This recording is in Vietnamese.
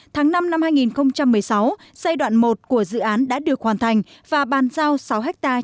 tháng năm năm hai nghìn một mươi sáu giai đoạn một của dự án đã được hoàn thành và bàn giao sáu ha